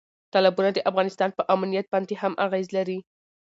تالابونه د افغانستان په امنیت باندې هم اغېز لري.